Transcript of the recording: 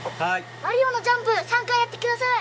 マリオのジャンプ３回やってください。